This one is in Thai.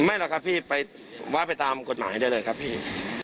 หรอกครับพี่ไปว่าไปตามกฎหมายได้เลยครับพี่